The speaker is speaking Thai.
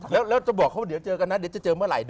แล้วจะบอกเขาเดี๋ยวเจอกันนะเดี๋ยวจะเจอเมื่อไหร่